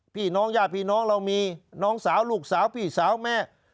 พี่น้องญาติพี่น้องเรามีน้องสาวลูกสาวพี่สาวแม่